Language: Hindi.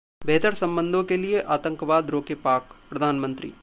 बेहतर संबंधों के लिए आतंकवाद रोके पाक: प्रधानमंत्री